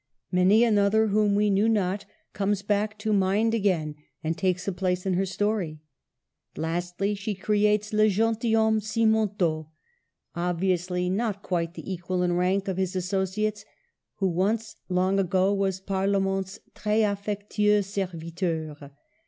Many another, whom we knew not, comes back to mind again, and takes a place in her story. Lastly she creates '' le gentilhomme Simontault," obviously not quite the equal in rank of his asso ciates, who once, long ago, was Parlamente's trh affectiLeiLX serviteur.